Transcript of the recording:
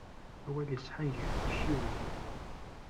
Awal iseḥḥan ger tacciwin.